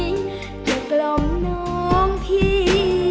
จะกล่องน้องพี่